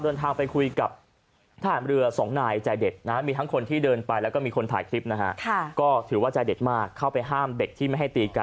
เดินทางไปคุยกับทหารเรือ๒นายใจเด็ดนะฮะ